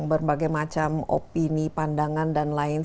berbagai macam opini pandangan dan lainnya